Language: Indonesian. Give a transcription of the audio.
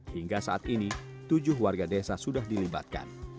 hingga saat ini tujuh warga desa sudah dilibatkan